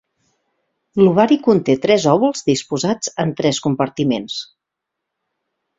L'ovari conté tres òvuls disposats en tres compartiments.